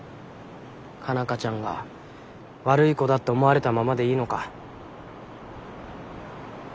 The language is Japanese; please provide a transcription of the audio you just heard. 佳奈花ちゃんが悪い子だって思われたままでいいのか？